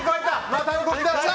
また動き出した。